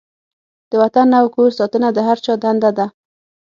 د وطن او کور ساتنه د هر چا دنده ده.